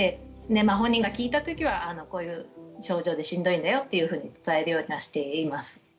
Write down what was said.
まあ本人が聞いた時はこういう症状でしんどいんだよっていうふうに伝えるようにはしています。